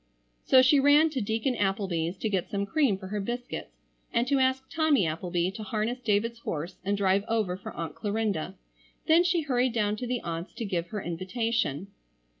So she ran to Deacon Appleby's to get some cream for her biscuits and to ask Tommy Appleby to harness David's horse and drive over for Aunt Clarinda. Then she hurried down to the aunts to give her invitation.